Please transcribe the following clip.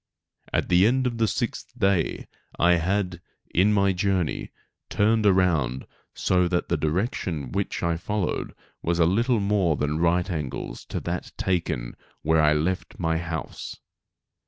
At the end of the sixth day I had, in my journey, turned around so that the direction which I followed was a little more than right angles to that taken where I left my house.